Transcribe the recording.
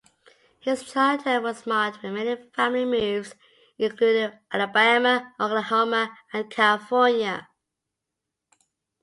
His childhood was marked with many family moves including Alabama, Oklahoma and California.